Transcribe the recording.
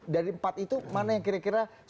dari empat itu mana yang kira kira yang paling penting